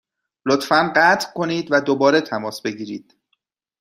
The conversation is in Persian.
لطفا قطع کنید و دوباره تماس بگیرید.